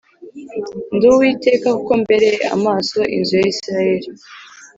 ndi Uwiteka kuko mbereye amaso inzu ya Isirayeli